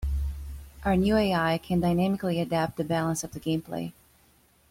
Our new AI can dynamically adapt the balance of the gameplay.